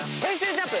ＪＵＭＰ